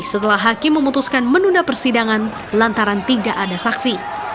setelah hakim memutuskan menunda persidangan lantaran tidak ada saksi